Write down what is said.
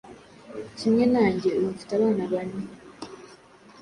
kimwe nanjye ubu mfite abana bane